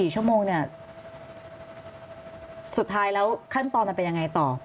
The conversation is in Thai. ๔ชั่วโมงเนี่ยสุดท้ายแล้วขั้นตอนมันเป็นยังไงต่อ